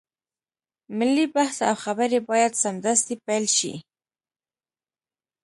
ملي بحث او خبرې بايد سمدستي پيل شي.